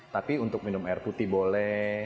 tapi untuk minum air putih boleh